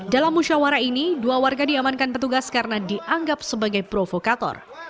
dalam musyawarah ini dua warga diamankan petugas karena dianggap sebagai provokator